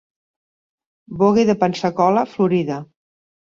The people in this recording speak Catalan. Bogue de Pensacola, Florida.